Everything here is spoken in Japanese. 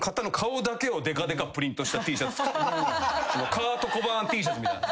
カート・コバーンＴシャツみたいな。